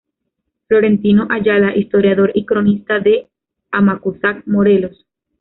Florentino Ayala, historiador y cronista de Amacuzac Morelos.